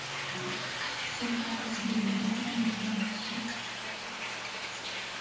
alisema Harris mwenye umri wa miaka thelathini na tisa